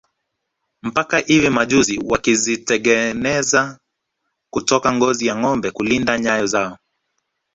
Mpaka hivi majuzi wakizitengeneza kutoka ngozi ya ngombe kulinda nyayo zao